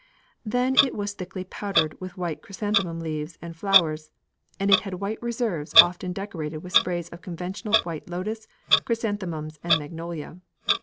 Then it was thickly powdered with white chrysanthemum leaves and flowers, and it had white reserves often decorated with sprays of conventional white lotus, chrysanthemums, and magnolia.